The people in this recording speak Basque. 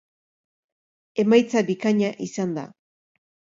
Emaitza bikaina izan da.